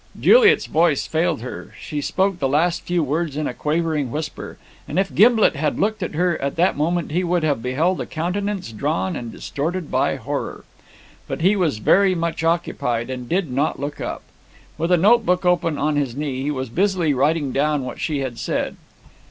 Juliet's voice failed her; she spoke the last few words in a quavering whisper, and if Gimblet had looked at her at that moment he would have beheld a countenance drawn and distorted by horror. But he was very much occupied, and did not look up. With a notebook open on his knee, he was busily writing down what she had said.